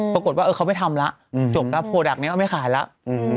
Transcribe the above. ปรากฏว่าเออเขาไม่ทำล่ะอืมจบล่ะเนี้ยเขาไม่ขายล่ะอืม